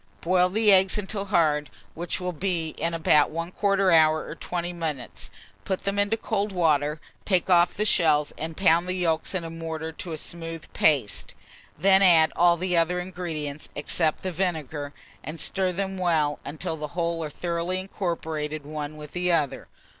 Boil the eggs until hard, which will be in about 1/4 hour or 20 minutes; put them into cold water, take off the shells, and pound the yolks in a mortar to a smooth paste. Then add all the other ingredients, except the vinegar, and stir them well until the whole are thoroughly incorporated one with the other.